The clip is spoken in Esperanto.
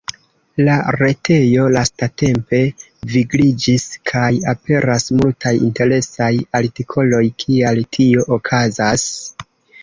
La retejo lastatempe vigliĝis kaj aperas multaj interesaj artikoloj, kial tio okazas?